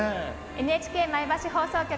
ＮＨＫ前橋放送局